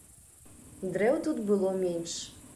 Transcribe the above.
Дрэў тут было менш.